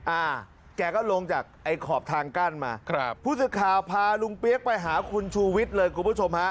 อ่าแกก็ลงจากไอ้ขอบทางกั้นมาครับผู้สื่อข่าวพาลุงเปี๊ยกไปหาคุณชูวิทย์เลยคุณผู้ชมฮะ